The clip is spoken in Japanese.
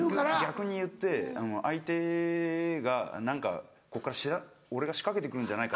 逆に言って相手が何かこっから俺が仕掛けてくるんじゃないか。